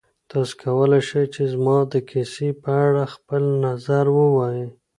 تاسو کولی شئ چې زما د کیسې په اړه خپل نظر ووایئ.